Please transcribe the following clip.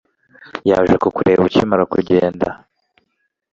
yaje kukureba ukimara kugenda